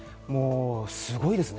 すごいですね。